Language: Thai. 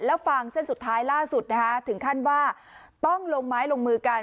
แล้วฟังเส้นสุดท้ายล่าสุดนะคะถึงขั้นว่าต้องลงไม้ลงมือกัน